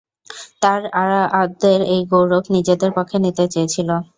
তারা আরবদের এই গৌরব নিজেদের পক্ষে নিতে চেয়েছিল।